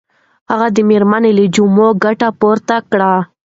هغه د مېرمنې له جامو ګټه پورته کړه.